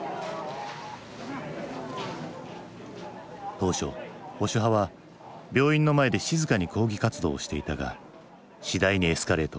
当初保守派は病院の前で静かに抗議活動をしていたが次第にエスカレート。